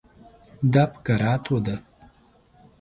دا په کراتو ده.